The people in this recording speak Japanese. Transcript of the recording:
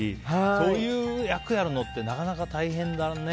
そういう役やるのってなかなか大変だね。